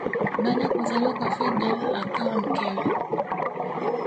Baada ya kuzaliwa kwa Fidel akawa mkewe